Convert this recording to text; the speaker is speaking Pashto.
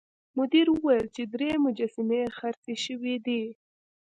مدیر وویل چې درې مجسمې خرڅې شوې دي.